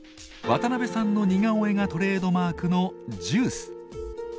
渡部さんの似顔絵がトレードマークのジュース。